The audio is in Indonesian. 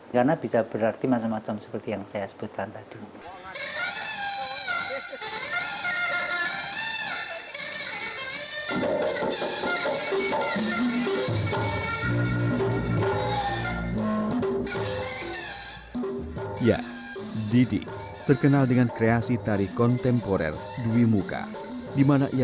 karena bisa berarti macam macam seperti yang saya sebutkan tadi